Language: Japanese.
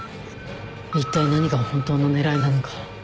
一体何が本当の狙いなのか。